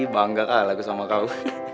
bangga kali aku sama kau